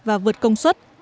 và vượt công suất